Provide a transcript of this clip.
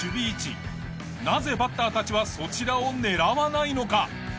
なぜバッターたちはそちらを狙わないのか？